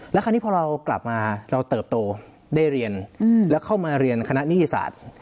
แล้วคราวนี้พอเรากลับมาเราเติบโตได้เรียนแล้วเข้ามาเรียนคณะนิติศาสตร์